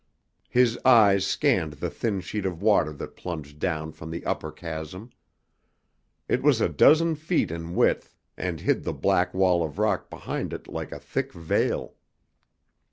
His eyes scanned the thin sheet of water that plunged down from the upper chasm. It was a dozen feet in width and hid the black wall of rock behind it like a thick veil.